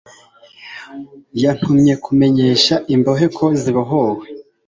yantumye kumenyesha imbohe ko zibohowe,